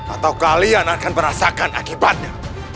atau kalian akan merasakan akibatnya